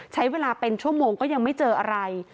ใช้เวลาเป็นชั่วโมงก็ยังไม่เจออะไร